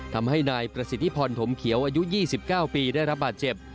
ทำให้นายประสิทธิพรถมเขียวอายุ๒๙ปีได้รับบาดเจ็บ